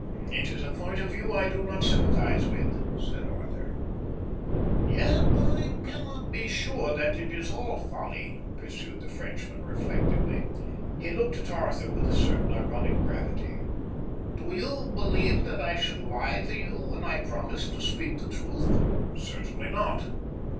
"It is a point of view I do not sympathize with," said Arthur. "Yet I cannot be sure that it is all folly," pursued the Frenchman reflectively. He looked at Arthur with a certain ironic gravity. "Do you believe that I should lie to you when I promised to speak the truth?" "Certainly not."